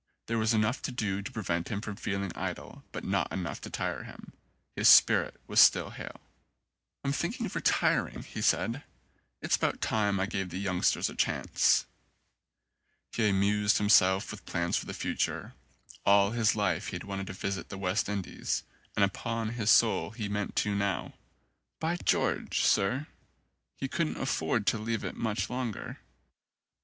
There was enough to do to prevent him from feeling idle, but not enough to tire him. His spirit was still hale. "I'm thinking of retiring," he said, "it's about time I gave the youngsters a chance." He amused himself with plans for the future: all his life he had wanted to visit the West Indies and upon his soul he meant to now. By George, Sir, he couldn't afford to leave it much longer.